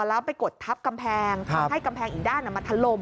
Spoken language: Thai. แล้วไปกดทับกำแพงทำให้กำแพงอีกด้านมันถล่ม